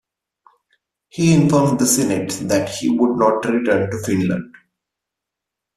He informed the Senate that he would not return to Finland.